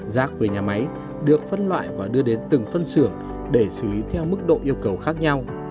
rác về nhà máy được phân loại và đưa đến từng phân xưởng để xử lý theo mức độ yêu cầu khác nhau